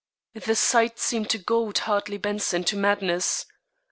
The sight seemed to goad Hartley Benson to madness.